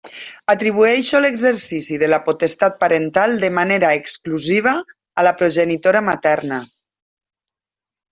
Atribueixo l'exercici de la potestat parental de manera exclusiva a la progenitora materna.